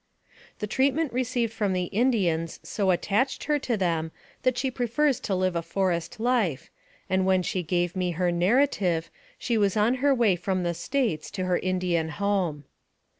The treatment received from the Indians so attached her to them that she prefers to live a forest life, and when she gave me her narrative, she was on her way from the States to her Indian home.